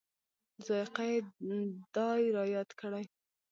ذایقه یې دای رایاد کړي.